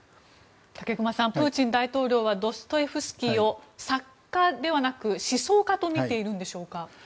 武隈さんプーチン大統領はドストエフスキーを作家ではなく思想家とみているんでしょうか。